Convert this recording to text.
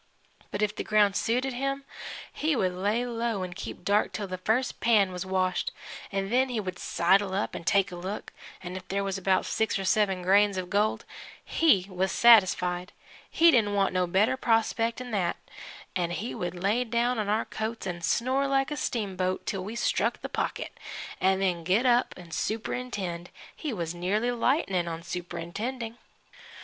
But if the ground suited him, he would lay low 'n' keep dark till the first pan was washed, 'n' then he would sidle up 'n' take a look, an' if there was about six or seven grains of gold he was satisfied he didn't want no better prospect 'n' that 'n' then he would lay down on our coats and snore like a steamboat till we'd struck the pocket, an' then get up 'n' superintend. He was nearly lightnin' on superintending.